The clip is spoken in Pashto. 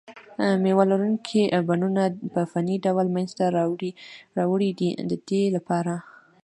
مېوه لرونکي بڼونه په فني ډول منځته راوړي دي د دې لپاره.